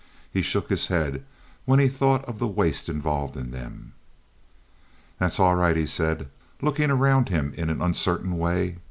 He shook his head when he thought of the waste involved in them. "That's all right," he said, looking around him in an uncertain way.